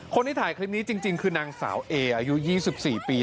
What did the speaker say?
คนที่ถ่ายคลิปนี้จริงคือนางสาวเออายุ๒๔ปี